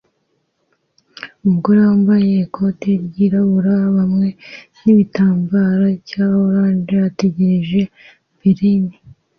Umugore wambaye ikote ryirabura hamwe nigitambara cya orange ategereje Berlin